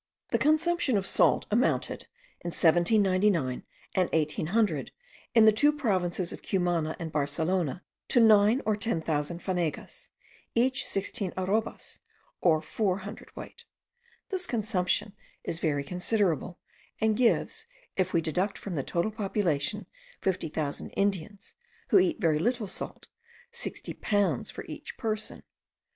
The consumption of salt amounted, in 1799 and 1800, in the two provinces of Cumana* and Barcelona, to nine or ten thousand fanegas, each sixteen arrobas, or four hundredweight. This consumption is very considerable, and gives, if we deduct from the total population fifty thousand Indians, who eat very little salt, sixty pounds for each person.